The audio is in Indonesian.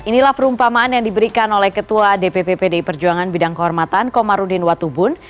inilah perumpamaan yang diberikan oleh ketua dpp pdi perjuangan bidang kehormatan komarudin watubun